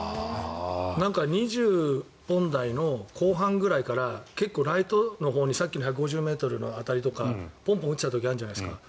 ２０本台の後半くらいから結構ライトのほうにさっきの１５０ｍの当たりとかポンポン打つ時あるじゃないですか